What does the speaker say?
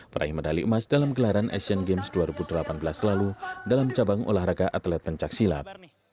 peraih medali emas dalam gelaran asian games dua ribu delapan belas lalu dalam cabang olahraga atlet pencaksilat